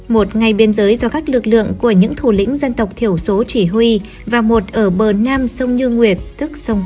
một ngay biên giới do các lực lượng của những thủ lĩnh dân tộc thiểu số chỉ huy và một ở bờ nam sông như nguyệt